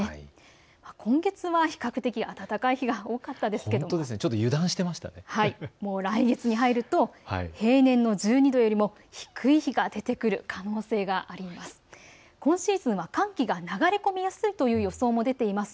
今月は比較的、暖かい日が多かったですけれどももう来月に入ると平年の１２度より低い日が出てくる可能性があります。